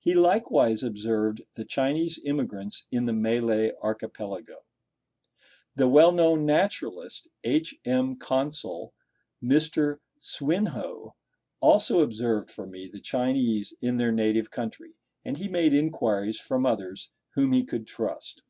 He likewise observed the Chinese immigrants in the Malay archipelago. The well known naturalist, H. M. Consul, Mr. Swinhoe, also observed for me the Chinese in their native country; and he made inquiries from others whom he could trust.